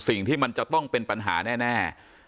สิ่งที่มันจะต้องเป็นปัญหาแน่